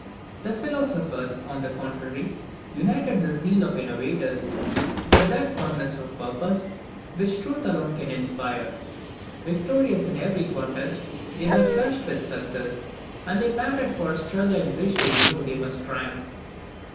The philosophers, on the contrary, united the zeal of innovators with that firmness of purpose which truth alone can inspire. Victorious in every contest, they were flushed with success, and they panted for a struggle in which they knew they must triumph.